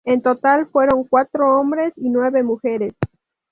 En total fueron cuatro hombres y nueve mujeres.